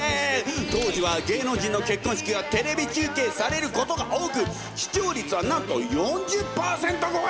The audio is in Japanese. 当時は芸能人の結婚式がテレビ中継されることが多く視聴率はなんと４０％超え！